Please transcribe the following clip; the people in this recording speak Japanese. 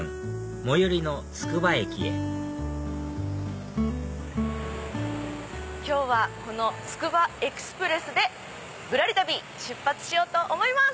最寄りのつくば駅へ今日はつくばエクスプレスでぶらり旅出発しようと思います。